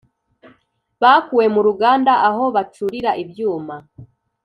bakuwe mu ruganda aho bacurira ibyuma